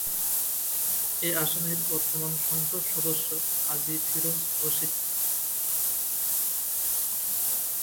এ আসনের বর্তমান সংসদ সদস্য কাজী ফিরোজ রশীদ।